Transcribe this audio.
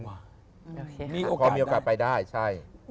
เพราะมีโอกาสไปได้